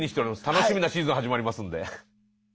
楽しみなシーズン始まりますんで。